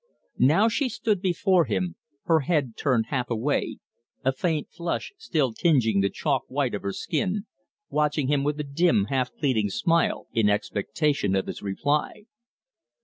Now she stood before him, her head turned half away, a faint flush still tingeing the chalk white of her skin, watching him with a dim, half pleading smile in expectation of his reply.